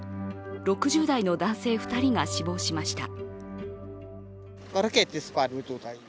６０代の男性２人が死亡しました。